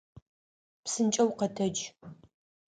Псынкӏэу къэтэдж!